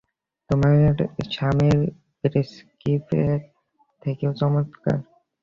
তোমার স্বামীর স্পেসশিপের থেকেও চমৎকার?